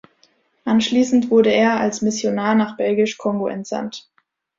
Anschließend wurde er als Missionar nach Belgisch Kongo entsandt.